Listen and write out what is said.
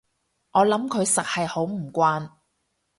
我諗佢實係好唔慣